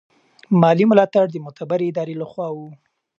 مالي ملاتړ د معتبرې ادارې له خوا و.